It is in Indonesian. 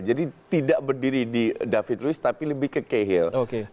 jadi tidak berdiri di david luiz tapi lebih ke kehil